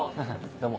どうも。